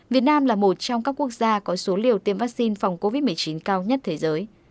việt nam là một trong các quốc gia có số liều tiêm vaccine phòng covid một mươi chín cao nhất thế giới